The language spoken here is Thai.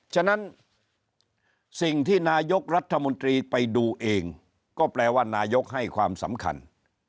ฉะนั้นสิ่งที่นายกรัฐมนตรีไปดูเองก็แปลว่านายกให้ความสำคัญ